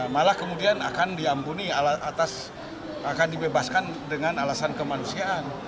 malah kemudian akan diampuni akan dibebaskan dengan alasan kemanusiaan